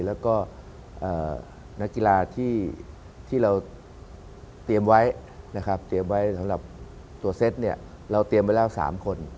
และก็นักกีฬาที่เราเตรียมไว้สำหรับตัวเซ็ตเราเตรียมไว้แล้ว๓คน